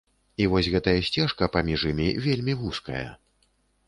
І вось гэтая сцежка паміж імі вельмі вузкая.